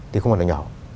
thì không còn là nhỏ